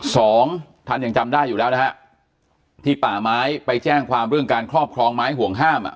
สองท่านยังจำได้อยู่แล้วนะฮะที่ป่าไม้ไปแจ้งความเรื่องการครอบครองไม้ห่วงห้ามอ่ะ